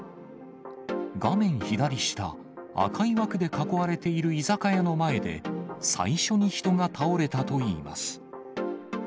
画面左下、赤い枠で囲われている居酒屋の前で、最初に人が倒れたといいます。